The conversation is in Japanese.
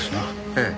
ええ。